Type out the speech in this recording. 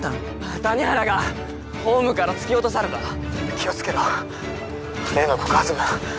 谷原がホームから突き落とされた☎気をつけろ例の告発文